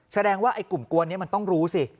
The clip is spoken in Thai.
แสดงว่าไอ้กลุ่มกวนนี้มันต้องรู้สิ